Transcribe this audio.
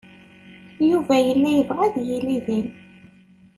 Yuba yella yebɣa ad yili din.